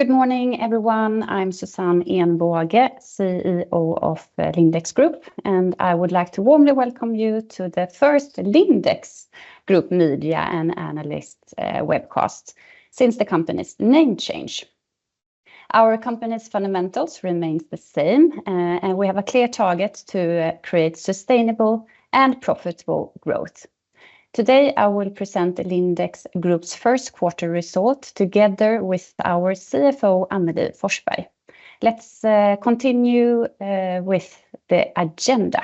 Good morning, everyone. I'm Susanne Ehnbåge, CEO of Lindex Group, and I would like to warmly welcome you to the first Lindex Group Media and Analyst Webcast since the company's name change. Our company's fundamentals remains the same, and we have a clear target to create sustainable and profitable growth. Today, I will present Lindex Group's first quarter result together with our CFO, Annelie Forsberg. Let's continue with the agenda.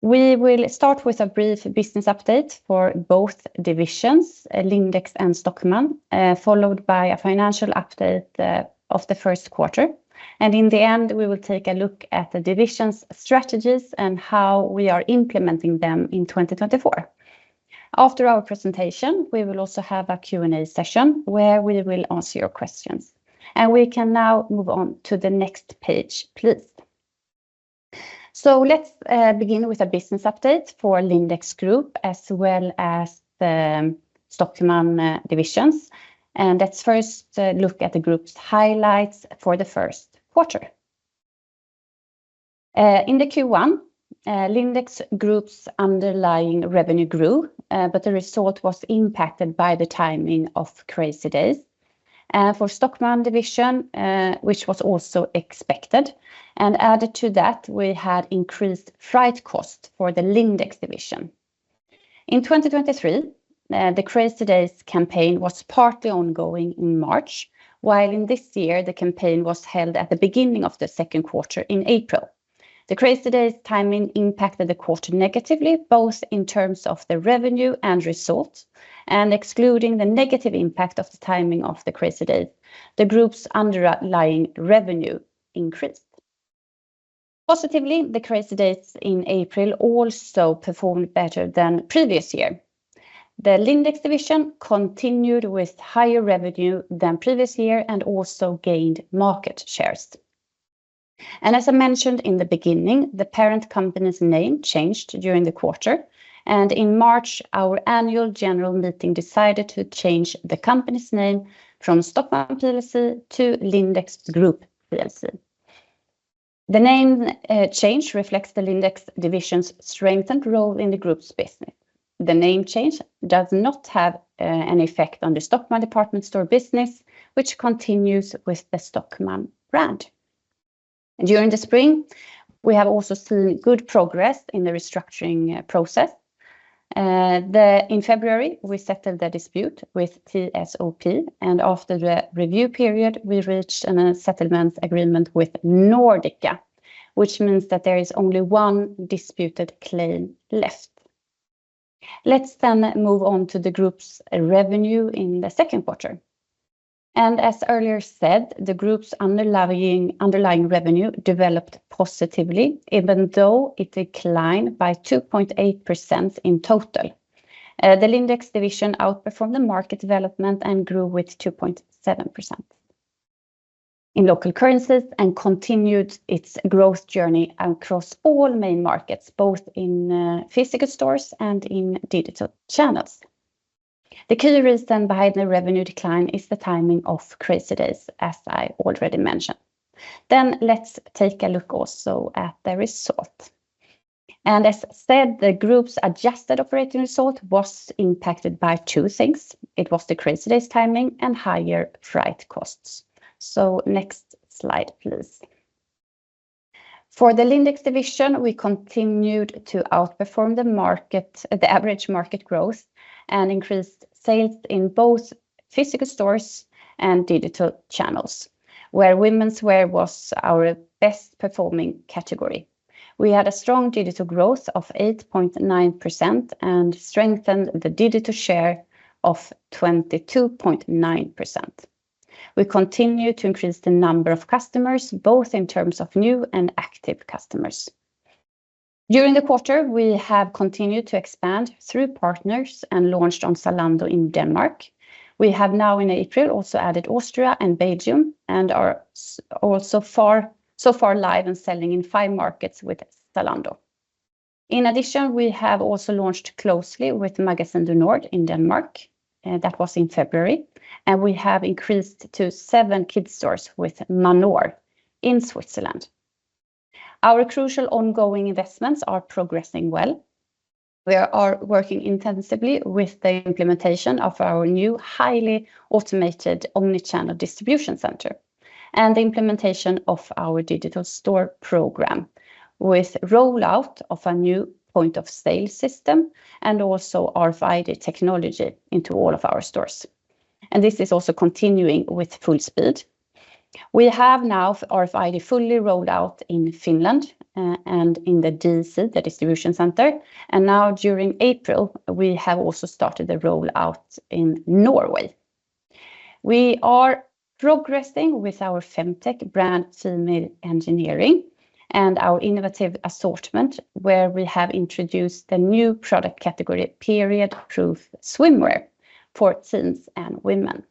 We will start with a brief business update for both divisions, Lindex and Stockmann, followed by a financial update of the first quarter. And in the end, we will take a look at the divisions' strategies and how we are implementing them in 2024. After our presentation, we will also have a Q&A session, where we will answer your questions, and we can now move on to the next page, please. So let's begin with a business update for Lindex Group, as well as the Stockmann divisions. And let's first look at the group's highlights for the first quarter. In the Q1, Lindex Group's underlying revenue grew, but the result was impacted by the timing of Crazy Days for Stockmann division, which was also expected. And added to that, we had increased freight cost for the Lindex division. In 2023, the Crazy Days campaign was partly ongoing in March, while in this year, the campaign was held at the beginning of the second quarter in April. The Crazy Days timing impacted the quarter negatively, both in terms of the revenue and results. And excluding the negative impact of the timing of the Crazy Days, the group's underlying revenue increased. Positively, the Crazy Days in April also performed better than previous year. The Lindex division continued with higher revenue than previous year and also gained market shares. As I mentioned in the beginning, the parent company's name changed during the quarter, and in March, our annual general meeting decided to change the company's name from Stockmann plc to Lindex Group plc. The name change reflects the Lindex division's strength and role in the group's business. The name change does not have an effect on the Stockmann department store business, which continues with the Stockmann brand. During the spring, we have also seen good progress in the restructuring process. In February, we settled the dispute with TSOP, and after the review period, we reached a settlement agreement with Nordika, which means that there is only one disputed claim left. Let's move on to the group's revenue in the second quarter. As earlier said, the group's underlying, underlying revenue developed positively, even though it declined by 2.8% in total. The Lindex division outperformed the market development and grew with 2.7% in local currencies, and continued its growth journey across all main markets, both in physical stores and in digital channels. The key reason behind the revenue decline is the timing of Crazy Days, as I already mentioned. Let's take a look also at the result, and as I said, the group's adjusted operating result was impacted by two things. It was the Crazy Days timing and higher freight costs. Next slide, please. For the Lindex division, we continued to outperform the market, the average market growth, and increased sales in both physical stores and digital channels, where womenswear was our best performing category. We had a strong digital growth of 8.9% and strengthened the digital share of 22.9%. We continue to increase the number of customers, both in terms of new and active customers. During the quarter, we have continued to expand through partners and launched on Zalando in Denmark. We have now in April also added Austria and Belgium, and are so far live and selling in five markets with Zalando. In addition, we have also launched closely with Magasin du Nord in Denmark, that was in February, and we have increased to seven kids stores with Manor in Switzerland. Our crucial ongoing investments are progressing well. We are working intensively with the implementation of our new highly automated omnichannel distribution center and the implementation of our digital store program, with rollout of a new point of sale system and also RFID technology into all of our stores, and this is also continuing with full speed. We have now RFID fully rolled out in Finland, and in the DC, the distribution center, and now during April, we have also started the rollout in Norway. We are progressing with our femtech brand, Female Engineering, and our innovative assortment, where we have introduced the new product category, period proof swimwear, for teens and women.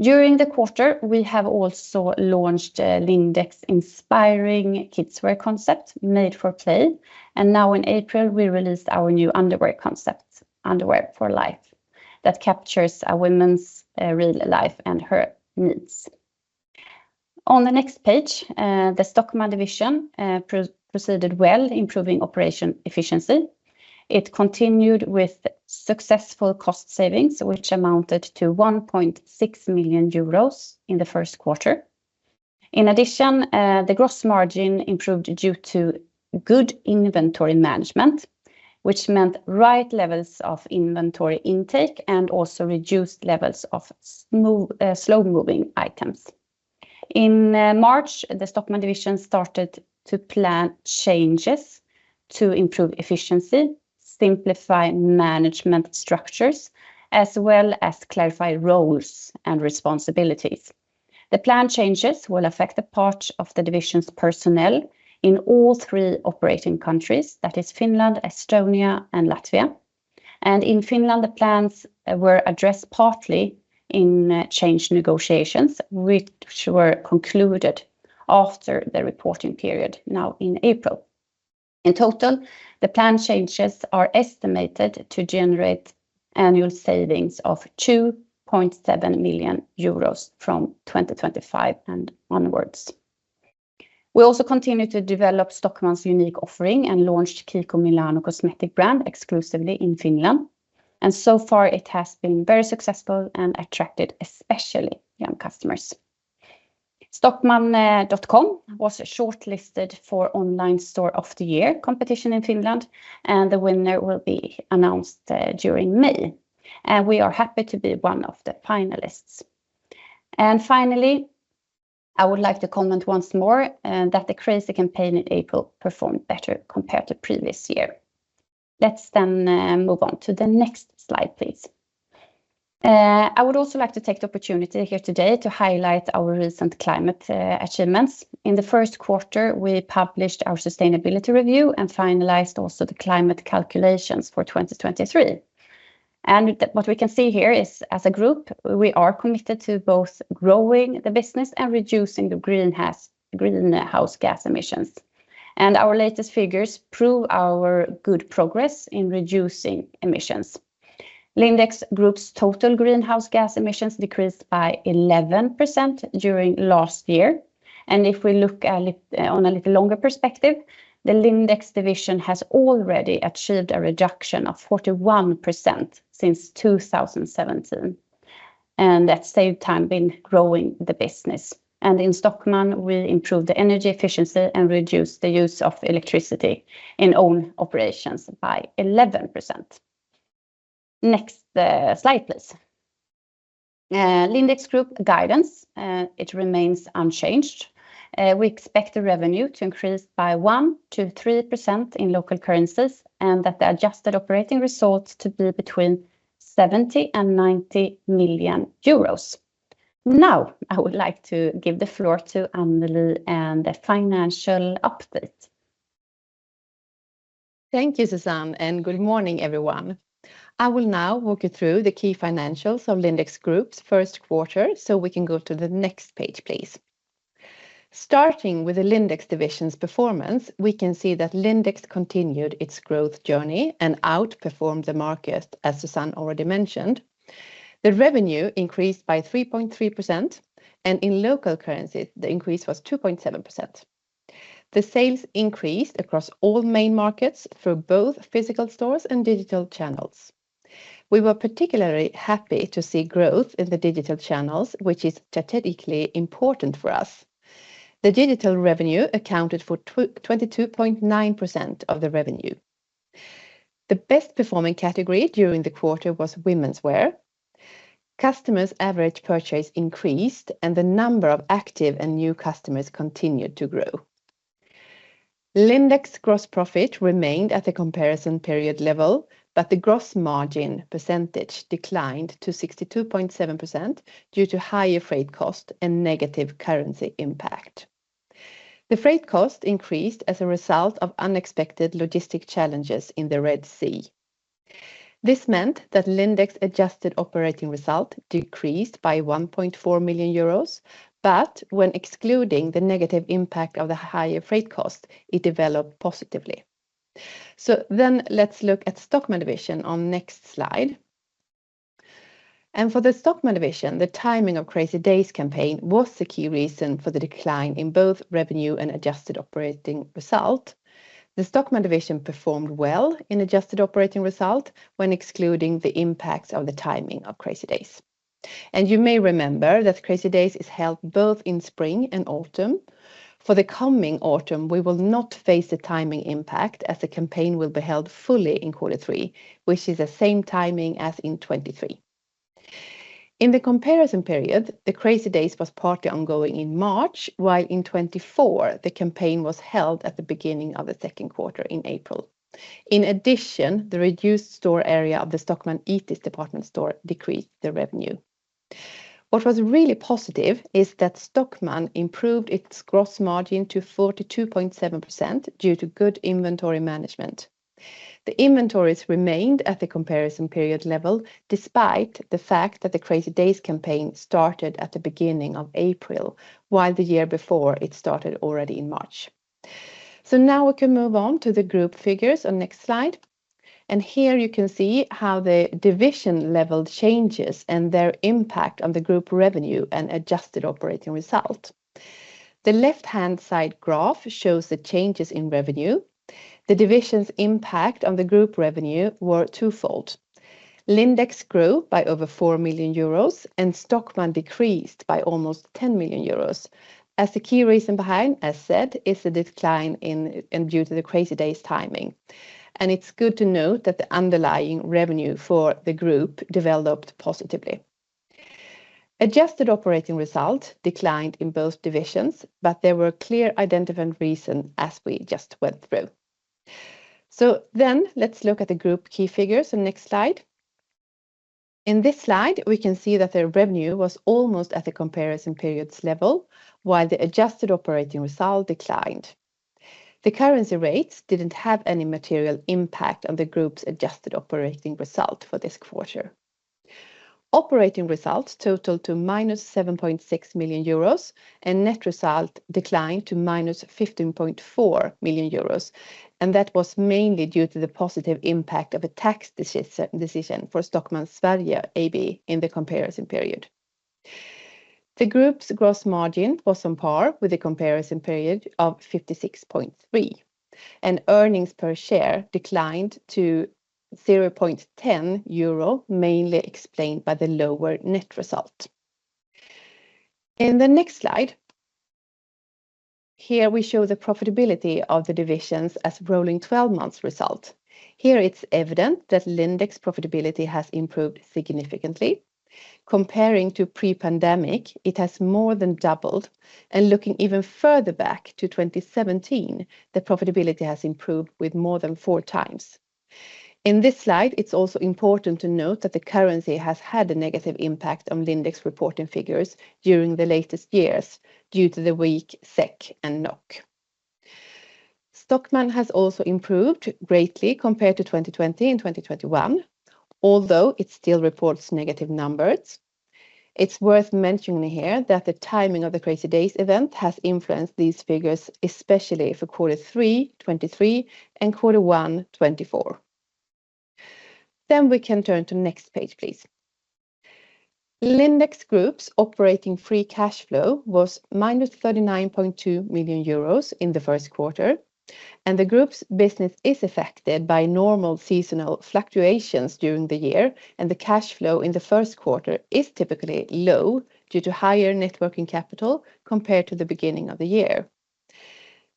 During the quarter, we have also launched Lindex inspiring kidswear concept, Made for Play, and now in April, we released our new underwear concept, Underwear for Life, that captures a woman's real life and her needs.... On the next page, the Stockmann division proceeded well, improving operation efficiency. It continued with successful cost savings, which amounted to 1.6 million euros in the first quarter. In addition, the gross margin improved due to good inventory management, which meant right levels of inventory intake and also reduced levels of slow-moving items. In March, the Stockmann division started to plan changes to improve efficiency, simplify management structures, as well as clarify roles and responsibilities. The planned changes will affect the part of the division's personnel in all three operating countries, that is Finland, Estonia, and Latvia. And in Finland, the plans were addressed partly in change negotiations, which were concluded after the reporting period now in April. In total, the planned changes are estimated to generate annual savings of 2.7 million euros from 2025 and onwards. We also continue to develop Stockmann's unique offering and launched KIKO Milano cosmetic brand exclusively in Finland, and so far it has been very successful and attracted especially young customers. stockmann.com was shortlisted for Online Store of the Year competition in Finland, and the winner will be announced during May, and we are happy to be one of the finalists. And finally, I would like to comment once more that the Crazy campaign in April performed better compared to previous year. Let's then move on to the next slide, please. I would also like to take the opportunity here today to highlight our recent climate achievements. In the first quarter, we published our sustainability review and finalized also the climate calculations for 2023. What we can see here is, as a group, we are committed to both growing the business and reducing the greenhouse gas emissions, and our latest figures prove our good progress in reducing emissions. Lindex Group's total greenhouse gas emissions decreased by 11% during last year, and if we look at on a little longer perspective, the Lindex division has already achieved a reduction of 41% since 2017, and at the same time, been growing the business. In Stockmann, we improved the energy efficiency and reduced the use of electricity in own operations by 11%. Next, slide, please. Lindex Group guidance, it remains unchanged. We expect the revenue to increase by 1%-3% in local currencies, and that the adjusted operating results to be between 70 million and 90 million euros. Now, I would like to give the floor to Annelie and the financial update. Thank you, Susanne, and good morning, everyone. I will now walk you through the key financials of Lindex Group's first quarter, so we can go to the next page, please. Starting with the Lindex division's performance, we can see that Lindex continued its growth journey and outperformed the market, as Susanne already mentioned. The revenue increased by 3.3%, and in local currency, the increase was 2.7%. The sales increased across all main markets through both physical stores and digital channels. We were particularly happy to see growth in the digital channels, which is strategically important for us. The digital revenue accounted for 22.9% of the revenue. The best performing category during the quarter was womenswear. Customers' average purchase increased, and the number of active and new customers continued to grow. Lindex gross profit remained at a comparison period level, but the gross margin percentage declined to 62.7% due to higher freight cost and negative currency impact. The freight cost increased as a result of unexpected logistic challenges in the Red Sea. This meant that Lindex adjusted operating result decreased by 1.4 million euros, but when excluding the negative impact of the higher freight cost, it developed positively. Let's look at Stockmann division on next slide. For the Stockmann division, the timing of Crazy Days campaign was the key reason for the decline in both revenue and adjusted operating result. The Stockmann division performed well in adjusted operating result when excluding the impacts of the timing of Crazy Days. You may remember that Crazy Days is held both in spring and autumn. For the coming autumn, we will not face the timing impact, as the campaign will be held fully in quarter three, which is the same timing as in 2023. In the comparison period, the Crazy Days was partly ongoing in March, while in 2024, the campaign was held at the beginning of the second quarter in April. In addition, the reduced store area of the Stockmann Itis department store decreased the revenue. What was really positive is that Stockmann improved its gross margin to 42.7% due to good inventory management. The inventories remained at the comparison period level, despite the fact that the Crazy Days campaign started at the beginning of April, while the year before, it started already in March. Now we can move on to the group figures on next slide. Here you can see how the division level changes and their impact on the group revenue and adjusted operating result. The left-hand side graph shows the changes in revenue. The division's impact on the group revenue were twofold. Lindex grew by over 4 million euros, and Stockmann decreased by almost 10 million euros. As the key reason behind, as said, is the decline in due to the Crazy Days timing. And it's good to note that the underlying revenue for the group developed positively. Adjusted operating result declined in both divisions, but there were clear, identifiable reason, as we just went through. Then let's look at the group key figures on next slide. In this slide, we can see that the revenue was almost at the comparison period's level, while the adjusted operating result declined. The currency rates didn't have any material impact on the group's adjusted operating result for this quarter. Operating results totaled to -7.6 million euros, and net result declined to -15.4 million euros, and that was mainly due to the positive impact of a tax decision for Stockmann Sverige AB in the comparison period. The group's gross margin was on par with the comparison period of 56.3%, and earnings per share declined to 0.10 euro, mainly explained by the lower net result. In the next slide, here we show the profitability of the divisions as rolling 12 months result. Here it's evident that Lindex profitability has improved significantly. Comparing to pre-pandemic, it has more than doubled, and looking even further back to 2017, the profitability has improved with more than four times. In this slide, it's also important to note that the currency has had a negative impact on Lindex's reporting figures during the latest years, due to the weak SEK and NOK. Stockmann has also improved greatly compared to 2020 and 2021, although it still reports negative numbers. It's worth mentioning here that the timing of the Crazy Days event has influenced these figures, especially for quarter three, 2023, and quarter one, 2024. Then we can turn to next page, please. Lindex Group's operating free cash flow was -39.2 million euros in the first quarter, and the group's business is affected by normal seasonal fluctuations during the year, and the cash flow in the first quarter is typically low due to higher net working capital compared to the beginning of the year.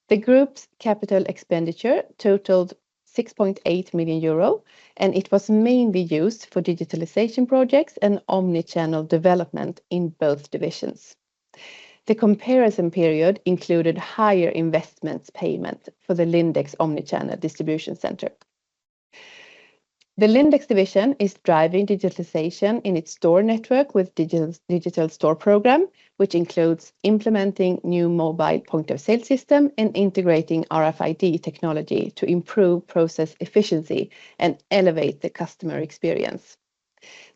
The group's capital expenditure totaled 6.8 million euro, and it was mainly used for digitalization projects and omnichannel development in both divisions. The comparison period included higher investments payment for the Lindex omnichannel distribution center. The Lindex division is driving digitalization in its store network with digital store program, which includes implementing new mobile point-of-sale system and integrating RFID technology to improve process efficiency and elevate the customer experience.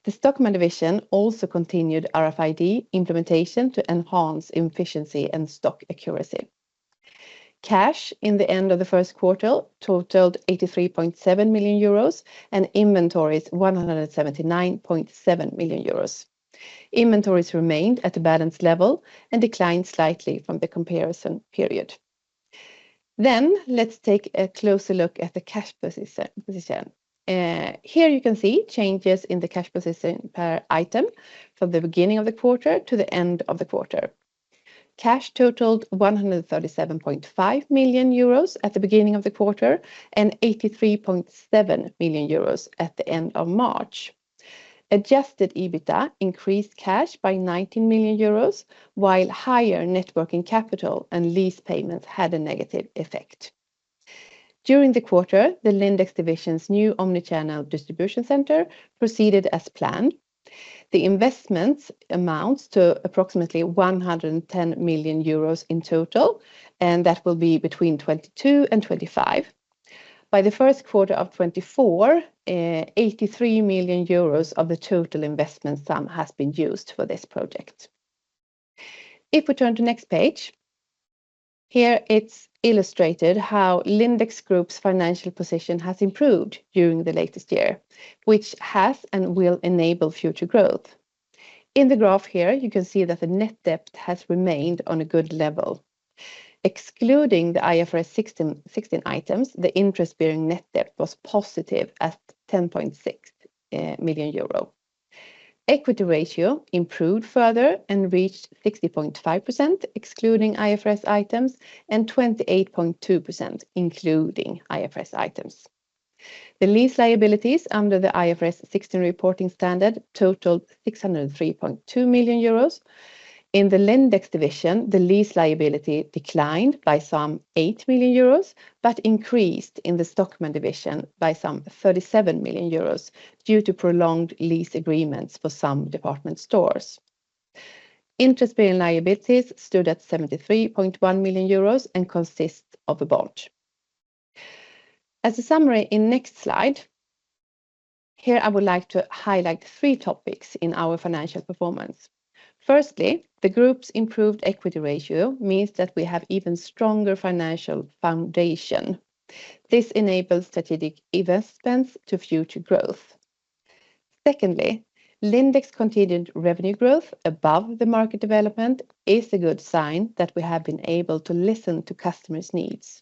The Stockmann division also continued RFID implementation to enhance efficiency and stock accuracy. Cash in the end of the first quarter totaled 83.7 million euros and inventories 179.7 million euros. Inventories remained at a balanced level and declined slightly from the comparison period. Then let's take a closer look at the cash position. Here you can see changes in the cash position per item from the beginning of the quarter to the end of the quarter. Cash totaled 137.5 million euros at the beginning of the quarter and 83.7 million euros at the end of March. Adjusted EBITDA increased cash by 19 million euros, while higher net working capital and lease payments had a negative effect. During the quarter, the Lindex division's new omnichannel distribution center proceeded as planned. The investments amounts to approximately 110 million euros in total, and that will be between 2022 and 2025. By the first quarter of 2024, 83 million euros of the total investment sum has been used for this project. If we turn to next page, here, it's illustrated how Lindex Group's financial position has improved during the latest year, which has and will enable future growth. In the graph here, you can see that the net debt has remained on a good level. Excluding the IFRS 16 items, the interest-bearing net debt was positive at 10.6 million euro. Equity ratio improved further and reached 60.5%, excluding IFRS items, and 28.2%, including IFRS items. The lease liabilities under the IFRS 16 reporting standard totaled 603.2 million euros. In the Lindex division, the lease liability declined by some 8 million euros, but increased in the Stockmann division by some 37 million euros due to prolonged lease agreements for some department stores. Interest-bearing liabilities stood at 73.1 million euros and consists of a bond.... As a summary in next slide, here I would like to highlight three topics in our financial performance. Firstly, the group's improved equity ratio means that we have even stronger financial foundation. This enables strategic investments to future growth. Secondly, Lindex continued revenue growth above the market development is a good sign that we have been able to listen to customers' needs.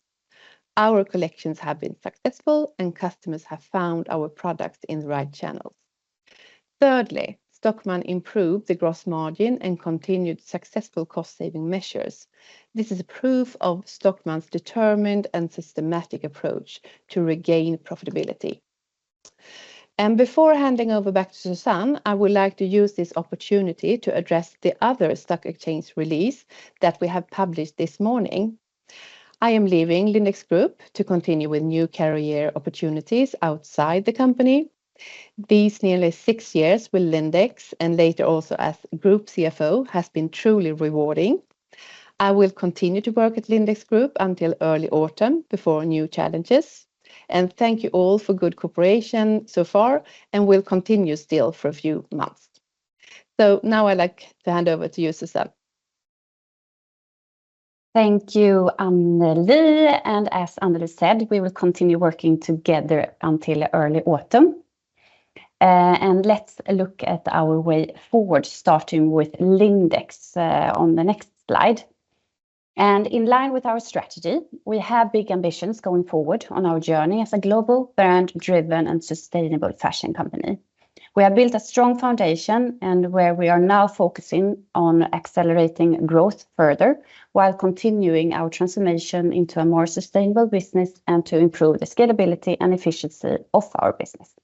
Our collections have been successful, and customers have found our products in the right channels. Thirdly, Stockmann improved the gross margin and continued successful cost-saving measures. This is proof of Stockmann's determined and systematic approach to regain profitability. Before handing over back to Susanne, I would like to use this opportunity to address the other stock exchange release that we have published this morning. I am leaving Lindex Group to continue with new career opportunities outside the company. These nearly six years with Lindex, and later also as Group CFO, has been truly rewarding. I will continue to work at Lindex Group until early autumn, before new challenges, and thank you all for good cooperation so far, and will continue still for a few months. So now I'd like to hand over to you, Susanne. Thank you, Annelie, and as Annelie said, we will continue working together until early autumn. Let's look at our way forward, starting with Lindex, on the next slide. In line with our strategy, we have big ambitions going forward on our journey as a global, brand-driven, and sustainable fashion company. We have built a strong foundation, and we are now focusing on accelerating growth further, while continuing our transformation into a more sustainable business and to improve the scalability and efficiency of our business.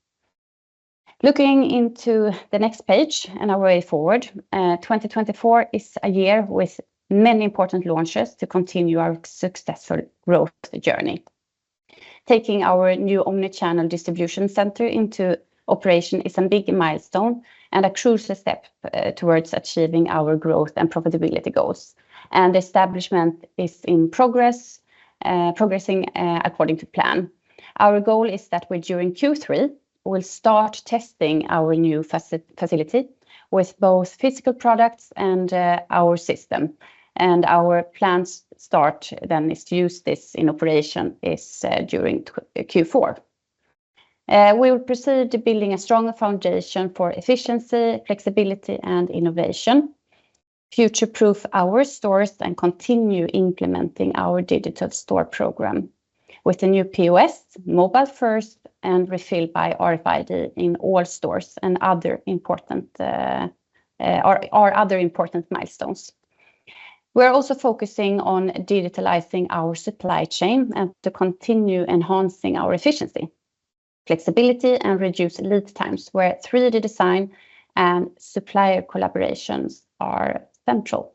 Looking into the next page and our way forward, 2024 is a year with many important launches to continue our successful growth journey. Taking our new omnichannel distribution center into operation is a big milestone and a crucial step towards achieving our growth and profitability goals, and establishment is progressing according to plan. Our goal is that we, during Q3, will start testing our new facility with both physical products and our system, and our planned start then is to use this in operation during Q4. We will proceed to building a stronger foundation for efficiency, flexibility, and innovation, future-proof our stores, and continue implementing our digital store program. With the new POS, mobile first, and refilled by RFID in all stores and other important milestones. We're also focusing on digitalizing our supply chain and to continue enhancing our efficiency, flexibility, and reduce lead times, where 3D design and supplier collaborations are central.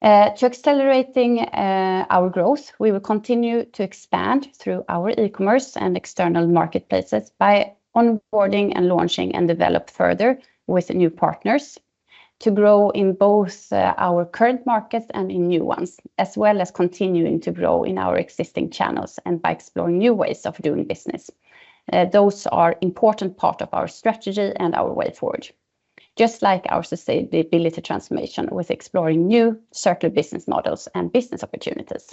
To accelerating our growth, we will continue to expand through our e-commerce and external marketplaces by onboarding and launching and develop further with new partners to grow in both our current markets and in new ones, as well as continuing to grow in our existing channels and by exploring new ways of doing business. Those are important part of our strategy and our way forward, just like our sustainability transformation with exploring new circular business models and business opportunities.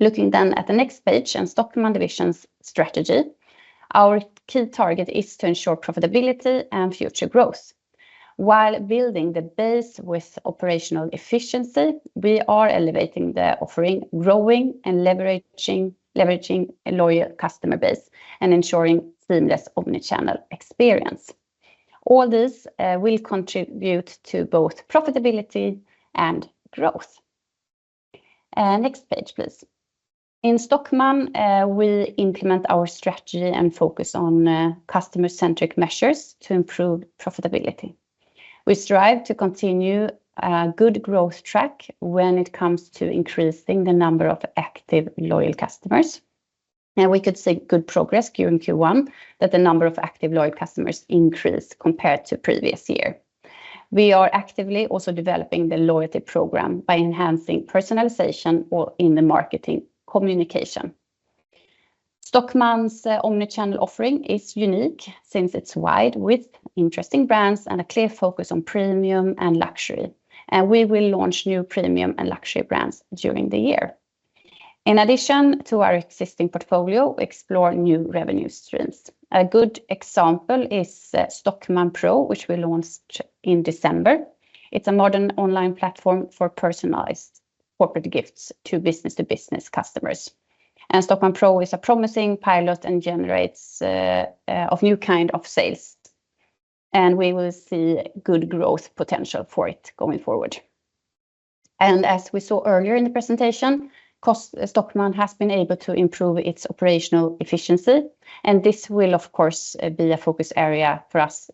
Looking then at the next page and Stockmann Division's strategy, our key target is to ensure profitability and future growth. While building the base with operational efficiency, we are elevating the offering, growing, and leveraging a loyal customer base and ensuring seamless omnichannel experience. All this will contribute to both profitability and growth. Next page, please. In Stockmann, we implement our strategy and focus on customer-centric measures to improve profitability. We strive to continue a good growth track when it comes to increasing the number of active, loyal customers, and we could see good progress during Q1, that the number of active, loyal customers increased compared to previous year. We are actively also developing the loyalty program by enhancing personalization or in the marketing communication. Stockmann's omni-channel offering is unique since it's wide, with interesting brands and a clear focus on premium and luxury, and we will launch new premium and luxury brands during the year. In addition to our existing portfolio, we explore new revenue streams. A good example is Stockmann Pro, which we launched in December. It's a modern online platform for personalized corporate gifts to business-to-business customers, and Stockmann Pro is a promising pilot and generates of new kind of sales, and we will see good growth potential for it going forward. As we saw earlier in the presentation, cost- Stockmann has been able to improve its operational efficiency, and this will, of course, be a focus area for us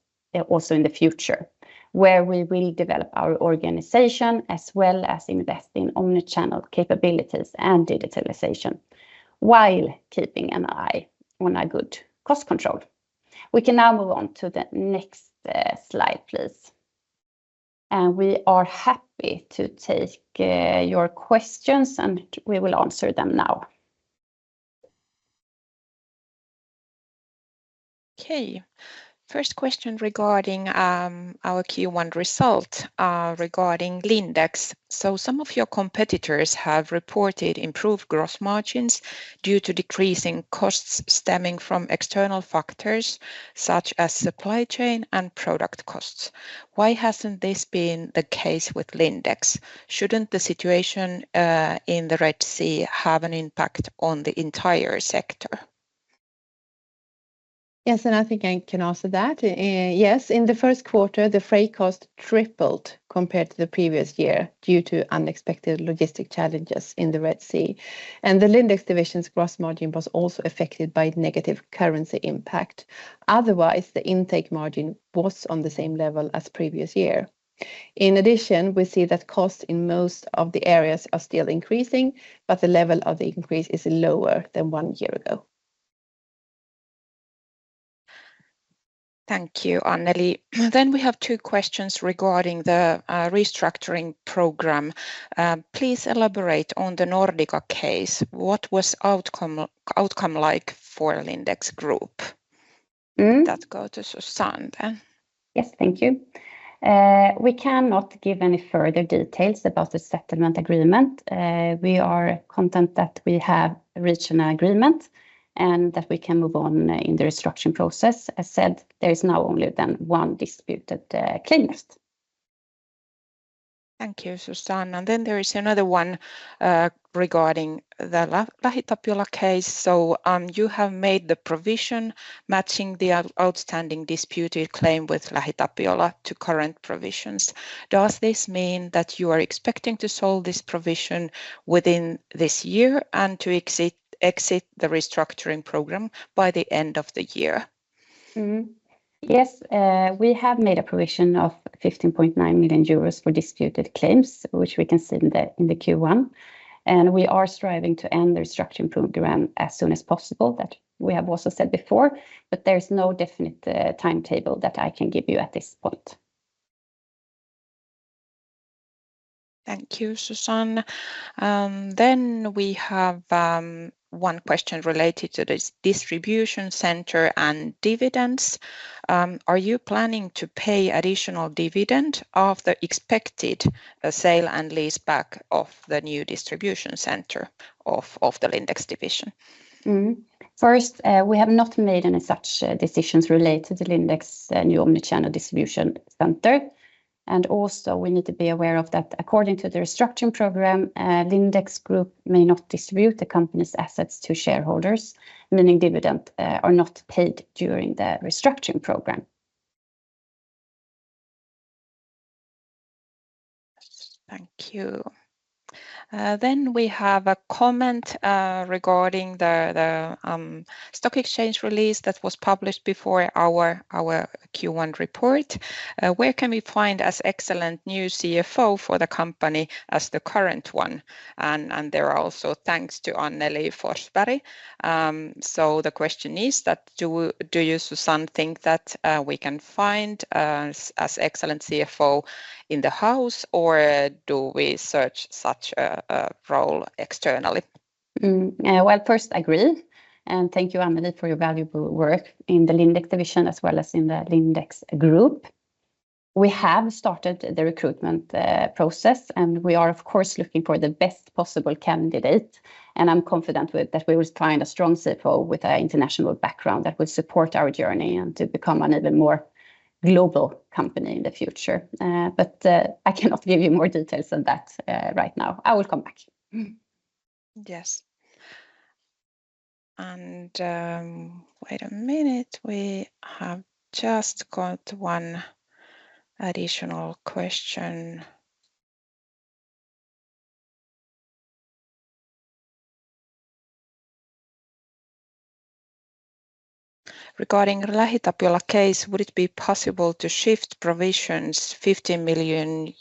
also in the future, where we will develop our organization, as well as invest in omnichannel capabilities and digitalization, while keeping an eye on a good cost control. We can now move on to the next slide, please, and we are happy to take your questions, and we will answer them now. Okay, first question regarding our Q1 result regarding Lindex. So some of your competitors have reported improved gross margins due to decreasing costs stemming from external factors, such as supply chain and product costs. Why hasn't this been the case with Lindex? Shouldn't the situation in the Red Sea have an impact on the entire sector? Yes, and I think I can answer that. Yes, in the first quarter, the freight cost tripled compared to the previous year due to unexpected logistic challenges in the Red Sea, and the Lindex division's gross margin was also affected by negative currency impact. Otherwise, the intake margin was on the same level as previous year. In addition, we see that costs in most of the areas are still increasing, but the level of the increase is lower than one year ago. Thank you, Annelie. Then we have two questions regarding the restructuring program. Please elaborate on the Nordika case. What was outcome like for Lindex Group? Mm. That goes to Susanne. Yes, thank you. We cannot give any further details about the settlement agreement. We are content that we have reached an agreement and that we can move on, in the restructuring process. As said, there is now only then one disputed, claim left. Thank you, Susanne. Then there is another one regarding the LähiTapiola case. So you have made the provision matching the outstanding disputed claim with LähiTapiola to current provisions. Does this mean that you are expecting to solve this provision within this year and to exit the restructuring program by the end of the year? Mm-hmm. Yes, we have made a provision of 15.9 million euros for disputed claims, which we can see in the Q1, and we are striving to end the restructuring program as soon as possible, that we have also said before, but there's no definite timetable that I can give you at this point. Thank you, Susanne. Then we have one question related to this distribution center and dividends. Are you planning to pay additional dividend of the expected sale and leaseback of the new distribution center of the Lindex division? Mm-hmm. First, we have not made any such decisions related to Lindex's new omnichannel distribution center, and also we need to be aware of that according to the restructuring program, Lindex Group may not distribute the company's assets to shareholders, meaning dividend, are not paid during the restructuring program. Thank you. Then we have a comment regarding the stock exchange release that was published before our Q1 report. Where can we find as excellent new CFO for the company as the current one? And there are also thanks to Annelie Forsberg. So the question is that do you, Susanne, think that we can find as excellent CFO in the house, or do we search such a role externally? Mm. Well, first, I agree, and thank you, Annelie, for your valuable work in the Lindex division, as well as in the Lindex Group. We have started the recruitment process, and we are of course looking for the best possible candidate, and I'm confident with... that we will find a strong CFO with an international background that will support our journey and to become an even more global company in the future. But, I cannot give you more details on that, right now. I will come back. Yes, and wait a minute, we have just got one additional question. Regarding LähiTapiola case, would it be possible to shift provisions EUR 15 million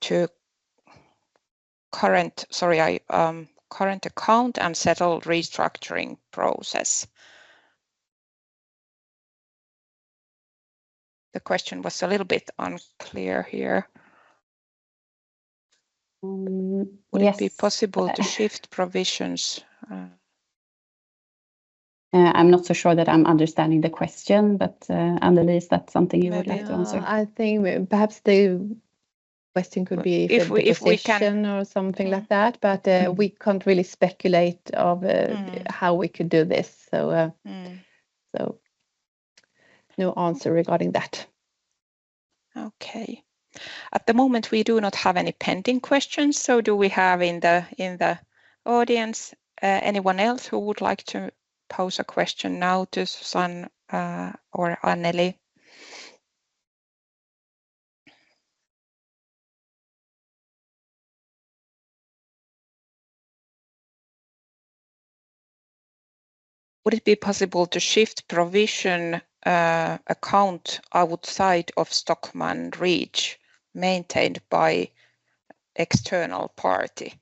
to current account and settle restructuring process? The question was a little bit unclear here. Yes. Would it be possible to shift provisions? I'm not so sure that I'm understanding the question, but, Annelie, is that something you would like to answer? Well, I think perhaps the question could be- If we can- or something like that, but we can't really speculate of, Mm... how we could do this, so, Mm. So no answer regarding that. Okay. At the moment, we do not have any pending questions, so do we have in the audience anyone else who would like to pose a question now to Susanne or Annelie? Would it be possible to shift provision account outside of Stockmann reach, maintained by external party?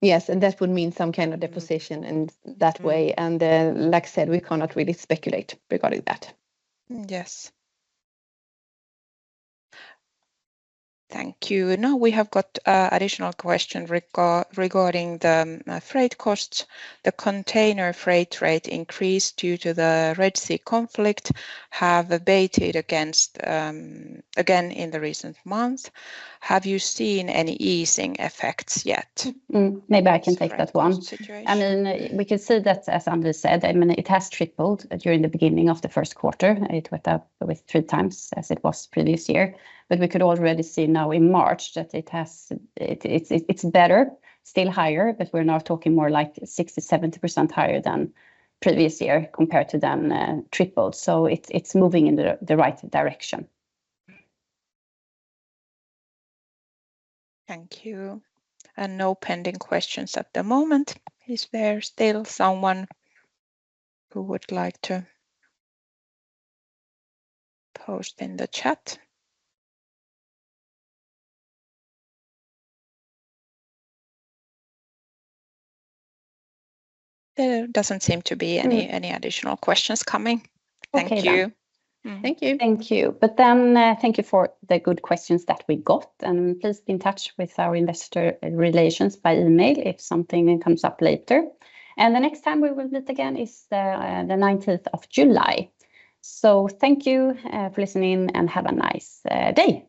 Yes, and that would mean some kind of deposition in that way, and then, like I said, we cannot really speculate regarding that. Yes. Thank you. Now, we have got an additional question regarding the freight costs. The container freight rate increased due to the Red Sea conflict have abated against again in the recent months. Have you seen any easing effects yet? Mm. Maybe I can take that one. Situation. I mean, we can see that, as Annelie said, I mean, it has tripled during the beginning of the first quarter. It went up with three times as it was previous year, but we could already see now in March that it has. It's better, still higher, but we're now talking more like 60%-70% higher than previous year, compared to tripled. So it's moving in the right direction. Thank you, and no pending questions at the moment. Is there still someone who would like to post in the chat? There doesn't seem to be any- Mm... any additional questions coming? Okay. Thank you. Mm. Thank you. Thank you. But then, thank you for the good questions that we got, and please be in touch with our Investor Relations by email if something comes up later. And the next time we will meet again is the 19th of July. So thank you for listening, and have a nice day!